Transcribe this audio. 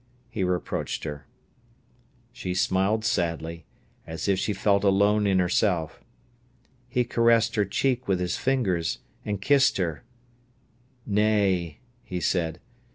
he reproached her. She smiled sadly, as if she felt alone in herself. He caressed her cheek with his fingers, and kissed her. "Nay!" he said.